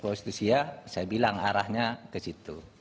prostisia saya bilang arahnya ke situ